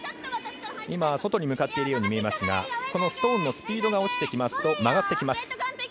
外に向かっているように見えますがストーンのスピードが落ちてきますと曲がってきます。